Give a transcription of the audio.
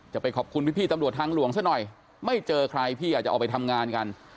จะไปขอบคุณพี่ตำรวจทางหลวงซะหน่อยไม่เจอใครพี่อาจจะออกไปทำงานกัน